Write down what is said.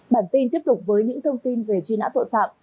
bản tin tiếp tục với những thông tin về truy nã tội phạm